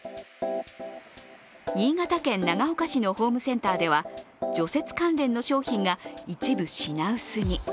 新潟県長岡市のホームセンターでは除雪関連の商品が一部品薄に。